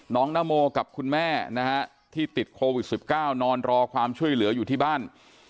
นโมกับคุณแม่นะฮะที่ติดโควิด๑๙นอนรอความช่วยเหลืออยู่ที่บ้าน